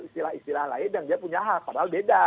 istilah istilah lain yang dia punya hak padahal beda